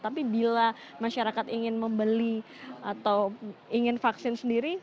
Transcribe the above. tapi bila masyarakat ingin membeli atau ingin vaksin sendiri